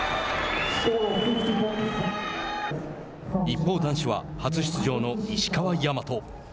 一方、男子は初出場の石川和。